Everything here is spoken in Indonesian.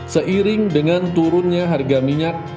seiring dengan turunnya harga minyak